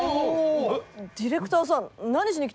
ディレクターさん何しに来たんですか？